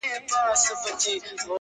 دغه سُر خالقه دغه تال کي کړې بدل ـ